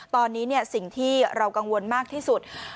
ตอนนี้สิ่งที่เรากังวลมากที่สุด